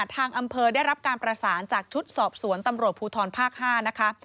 ทางอำเภอได้รับการประสานจากชุดสอบสวนตำรวจภูทรภาค๕นะคะ